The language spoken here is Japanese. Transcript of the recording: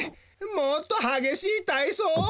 もっとはげしいたいそう？